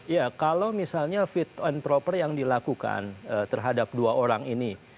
ya kalau misalnya fit and proper yang dilakukan terhadap dua orang ini